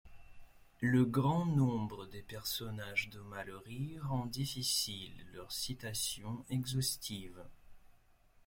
Le grand nombre des personnages de Malory rend difficile leur citation exhaustive.